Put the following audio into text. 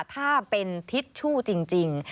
ถ้าเป็นทิชชู่จริง